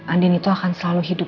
andin itu akan selalu hidup